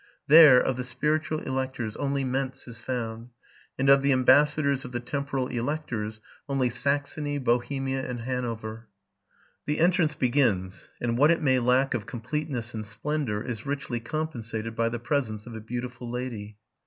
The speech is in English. There, of the spiritual electors, only Mentz is found; and, of the ambassadors .f the temporal electors, only Saxony, Bohemia, and Hanover. The entrance begins, and what it may lack of completeness and splendor is richly compensated by the presence of a beautiful lady.